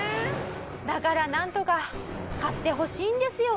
「だからなんとか買ってほしいんですよ」。